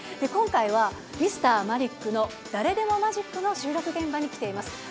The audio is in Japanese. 今回は「Ｍｒ．マリックの誰でもマジック」の収録現場に来ています。